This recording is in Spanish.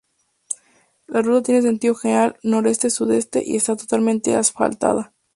La ruta tiene sentido general noroeste-sudeste y está totalmente asfaltada.